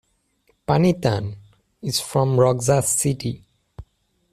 Panitan is from Roxas City.